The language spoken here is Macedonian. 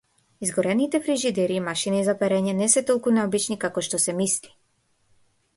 Изгорените фрижидери и машини за перење не се толку необични како што се мисли.